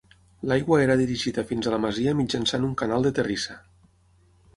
L'aigua era dirigida fins a la masia mitjançant un canal de terrissa.